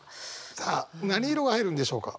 さあ何色が入るんでしょうか？